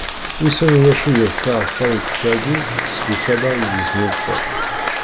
Wissen iwacu yeffeɣ Ssaɛid Seɛdi seg ukabar i d-yesnulfa.